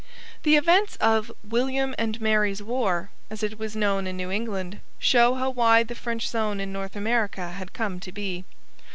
The events of 'William and Mary's War,' as it was known in New England, show how wide the French zone in North America had come to be.